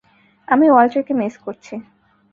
আমি ওয়াল্টারকে মিস করছি।